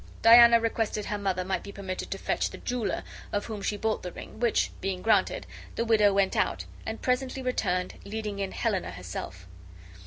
Diana requested her mother might be permitted to fetch the jeweler of whom she bought the ring, which, being granted, the widow went out, and presently returned, leading in Helena herself.